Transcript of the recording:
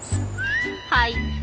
はい。